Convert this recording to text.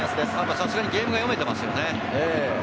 さすがにゲームが読めていますよね。